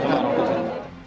tidak ada hari hari